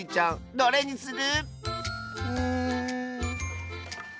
これにする！